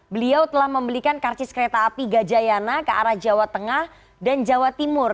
beliau telah membelikan karcis kereta api gajayana ke arah jawa tengah dan jawa timur